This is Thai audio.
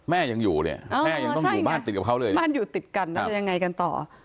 แม่ยังอยู่เนี่ยแม่ยังต้องอยู่บ้านติดกับเขาเลยนะบ้านอยู่ติดกันแล้วจะยังไงกันต่อ